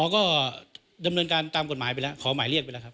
ก็ดำเนินการตามกฎหมายไปแล้วขอหมายเรียกไปแล้วครับ